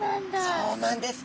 そうなんです。